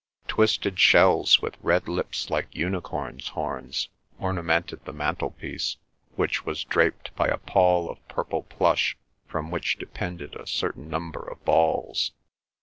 Twisted shells with red lips like unicorn's horns ornamented the mantelpiece, which was draped by a pall of purple plush from which depended a certain number of balls.